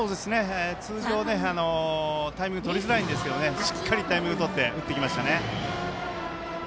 通常、タイミング取りづらいんですがしっかりタイミングを取って打ってきましたね。